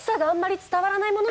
あんま伝わらない？